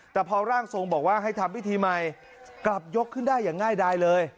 แต่พอร่างทรงบอกว่าให้ทำพิธีใหม่กลับยกขึ้นได้อย่างง่ายดายเลย